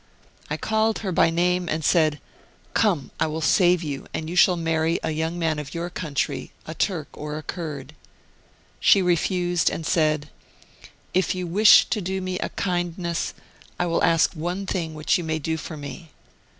I called her by name, and said ' Come, I will save you, and you shall marry a young man of your country, a Turk or a Kurd.' She refused, and said :' If you wish to do me a kindness I will Martyred Armenia 45 ask one thing which you may do for me.'